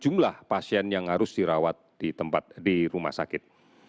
jumlah pasien yang harus dirawat di rumah sakit